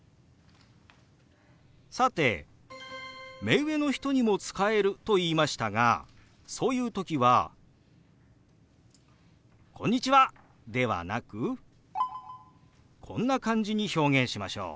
さて目上の人にも使えると言いましたがそういう時は「こんにちは！」ではなくこんな感じに表現しましょう。